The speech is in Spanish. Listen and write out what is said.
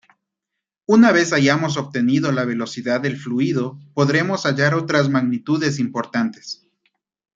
Una vez hayamos obtenido la velocidad del fluido, podremos hallar otras magnitudes importantes.